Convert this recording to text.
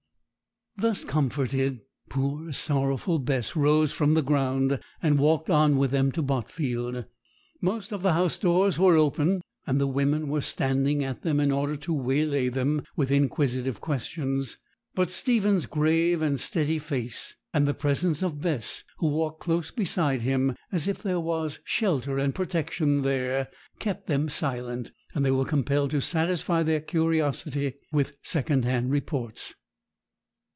Thus comforted, poor sorrowful Bess rose from the ground, and walked on with them to Botfield. Most of the house doors were open, and the women were standing at them in order to waylay them with inquisitive questions; but Stephen's grave and steady face, and the presence of Bess, who walked close beside him, as if there was shelter and protection there, kept them silent; and they were compelled to satisfy their curiosity with secondhand reports.